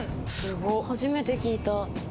初めて聴いた。